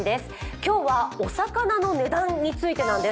今日はお魚の値段についてなんです。